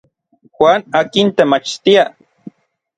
Juan akin temachtia.